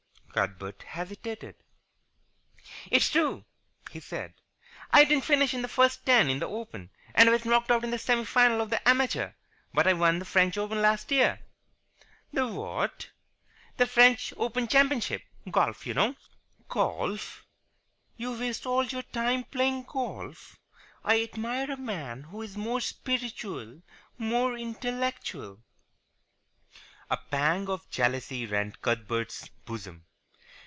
Cuthbert hesitated. "It's true," he said, "I didn't finish in the first ten in the Open, and I was knocked out in the semi final of the Amateur, but I won the French Open last year." "The what?" "The French Open Championship. Golf, you know." "Golf! You waste all your time playing golf. I admire a man who is more spiritual, more intellectual." A pang of jealousy rent Cuthbert's bosom.